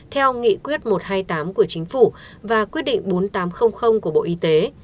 theo nghị quyết một trăm hai mươi tám của chính phủ và quyết định bốn nghìn tám trăm linh của bộ y tế